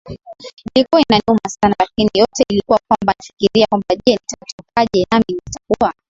ilikuwa inaniuma sana Lakini yote ilikuwa kwamba nafikiria kwamba je nitatokaje Nami nitakuwa